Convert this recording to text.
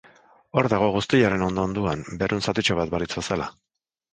Hor dago, guztiaren hondo-hondoan, berun zatitxo bat balitz bezala.